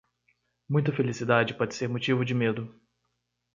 Muita felicidade pode ser motivo de medo.